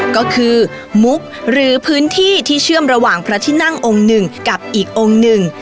ก็คือมุกหรือพื้นที่ที่เชื่อมระหว่างพระที่นั่งองค์หนึ่งกับอีกองค์หนึ่ง